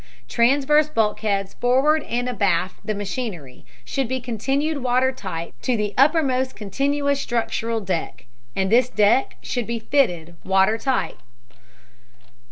Transverse bulkheads forward and abaft the machinery should be continued watertight to the uppermost continuous structural deck, and this deck should be fitted water tight.